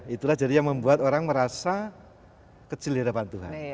itulah jadi yang membuat orang merasa kecil di hadapan tuhan